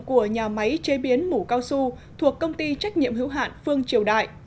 của nhà máy chế biến mủ cao su thuộc công ty trách nhiệm hữu hạn phương triều đại